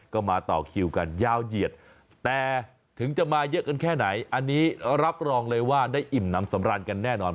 ก็มาต่อคิวกันยาวเหยียดแต่ถึงจะมาเยอะกันแค่ไหนอันนี้รับรองเลยว่าได้อิ่มน้ำสำราญกันแน่นอน